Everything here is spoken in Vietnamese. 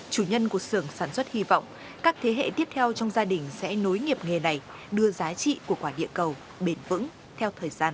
chủ nhân của sưởng sản xuất hy vọng các thế hệ tiếp theo trong gia đình sẽ nối nghiệp nghề này đưa giá trị của quả địa cầu bền vững theo thời gian